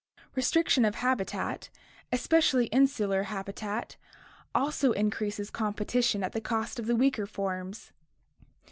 Re striction of habitat, especially insular habitat, also increases compe tition at the cost of the weaker forms.